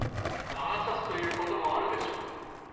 魔が差すということもあるでしょう。